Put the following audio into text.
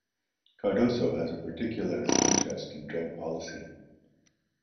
Cardoso has a particular interest in drug policy.